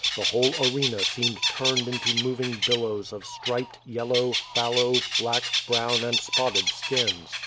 The whole arena seemed turned into moving billows of striped, yello^', fallow, black, brown and spotted skins.